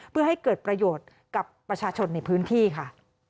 เพื่อให้เกิดประโยชน์กับประชาชนในพื้นที่ค่ะ